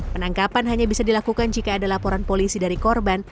penangkapan hanya bisa dilakukan jika ada laporan polisi dari korban